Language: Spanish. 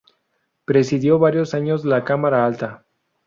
Presidió varios años la Cámara Alta.